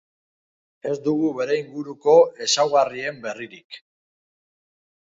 Ez dugu bere inguruko ezaugarrien berririk.